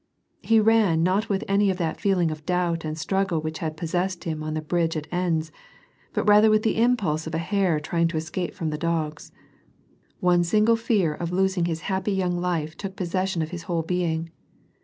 He ran not with any of that feeling of doubt and struggle M'hich had possessed him on the bridge at Enns, but rather with the inipuise of a hare trying to escape from the dogs. One single fear of losing his happy young life took jiossession of his whole being.